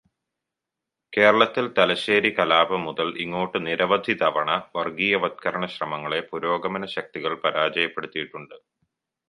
കേരളത്തില് തലശ്ശേരി കലാപം മുതല് ഇങ്ങോട്ട് നിരവധി തവണ വര്ഗീയവത്കരണ ശ്രമങ്ങളെ പുരോഗമനശക്തികള് പരാജയപ്പെടുത്തിയിട്ടുണ്ട്.